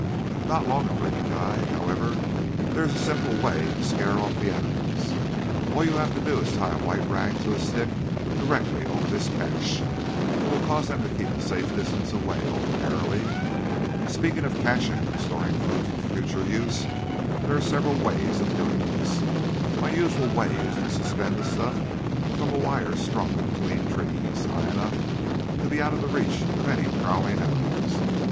"Not long," agreed the guide. "However, there is a simple way to scare off the animals. All you have to do is to tie a white rag to a stick directly over this cache. It will cause them to keep a safe distance away ordinarily. Speaking of caching or storing food for future use, there are several ways of doing this. My usual way is to suspend the stuff from a wire strung between trees, high enough to be out of the reach of any prowling animals.